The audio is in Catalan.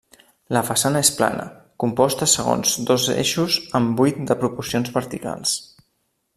La façana és plana, composta segons dos eixos amb buit de proporcions verticals.